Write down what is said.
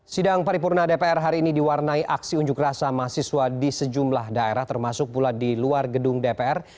sidang paripurna dpr hari ini diwarnai aksi unjuk rasa mahasiswa di sejumlah daerah termasuk pula di luar gedung dpr